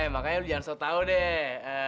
makanya lo jangan sok tau deh